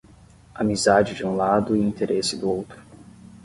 Amizade de um lado e interesse do outro.